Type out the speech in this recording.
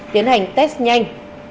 tiến hành test nhanh